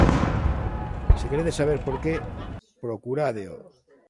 Se queredes saber por que, procurádeo.